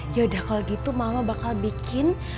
yaudah kalau gitu mama bakal bikin